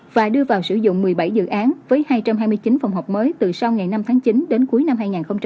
và đưa vào sử dụng một mươi bảy dự án với hai trăm hai mươi chín phòng học mới từ sau ngày năm tháng chín đến cuối năm hai nghìn hai mươi